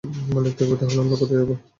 মালিক থাকবে, তাহলে আমরা কোথায় যাবো?